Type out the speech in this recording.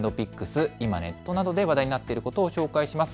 今ネットなどで話題になっていることを紹介します。